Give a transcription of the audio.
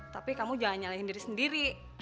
tapi kamu jangan nyalahin diri sendiri